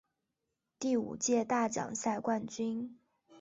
第五届大奖赛冠军。